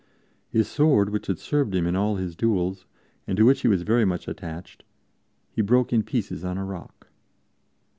His sword, which had served him in all his duels, and to which he was very much attached, he broke in pieces on a rock.